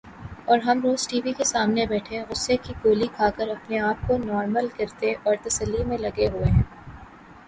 اور ہم روز ٹی وی کے سامنے بیٹھے غصے کی گولی کھا کر اپنے آپ کو نارمل کرنے اور تسلی میں لگے ہوئے ہیں ۔